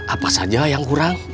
apa saja yang kurang